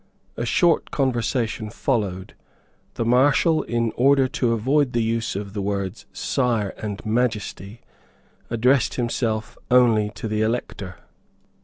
A short conversation followed. The Marshal, in order to avoid the use of the words Sire and Majesty, addressed himself only to the Elector.